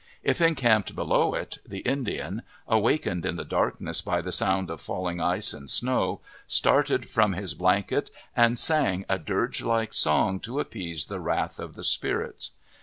If encamped below it, the Indian, awakened in the dark ness by the sound of falling ice and snow, started from his blanket and sang a dirge like song to appease the wrath of the spirits.